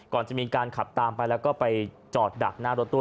ก่อนจะมีการขับตามไปแล้วก็ไปจอดดักหน้ารถตู้